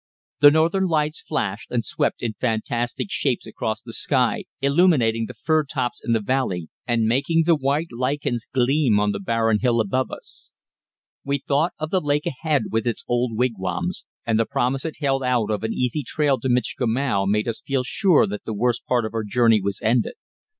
The northern lights flashed and swept in fantastic shapes across the sky, illuminating the fir tops in the valley and making the white lichens gleam on the barren hill above us. We thought of the lake ahead with its old wigwams, and the promise it held out of an easy trail to Michikamau made us feel sure that the worst part of our journey was ended.